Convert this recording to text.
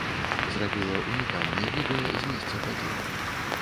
Зрабіла ўнікальныя відэа з месца падзей.